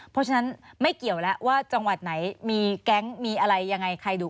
เพราะฉะนั้นไม่เกี่ยวแล้วว่าจังหวัดไหนมีแก๊งมีอะไรยังไงใครดู